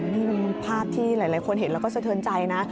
นี่เป็นภาพที่หลายคนเห็นแล้วก็สะเทินใจนะ